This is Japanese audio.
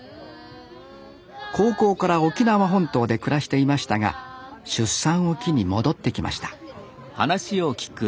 高校から沖縄本島で暮らしていましたが出産を機に戻ってきました